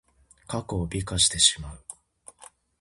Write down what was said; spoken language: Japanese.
過去を美化してしまう。